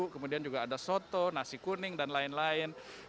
kemudian juga ada soto nasi kuning dan lain lain